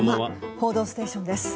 「報道ステーション」です。